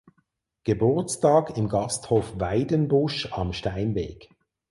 Geburtstag im Gasthof "Weidenbusch "am Steinweg.